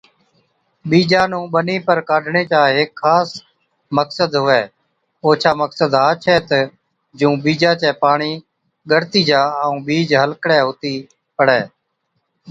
ٻِيجا نُون ٻني پر ڪاڍڻي چا هيڪ خاص مقصد هُوَي، اوڇا مقصد ها ڇَي تہ جُون ٻِيجا چَي پاڻِي ڳڙتِي جا ائُون ٻِيج هلڪڙَي هُتِي پڙَي۔